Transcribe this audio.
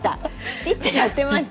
ぴってやってました。